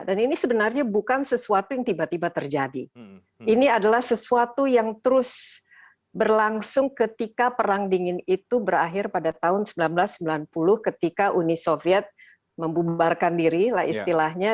dan ini sebenarnya bukan sesuatu yang tiba tiba terjadi ini adalah sesuatu yang terus berlangsung ketika perang dingin itu berakhir pada tahun seribu sembilan ratus sembilan puluh ketika uni soviet membumbarkan diri lah istilahnya